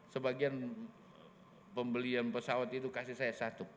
sebagian pembelian pesawat itu kasih saya satu